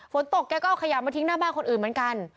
ฝนตกแกก็เอาขยะมาทิ้งหน้าบ้านคนอื่นเหมือนกัน